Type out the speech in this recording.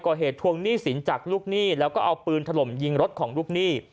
ทวงหนี้สินจากลูกหนี้แล้วก็เอาปืนถล่มยิงรถของลูกหนี้